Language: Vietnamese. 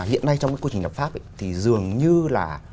hiện nay trong cái quy trình lập pháp thì dường như là